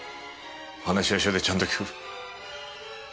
話は署でちゃんと聞く。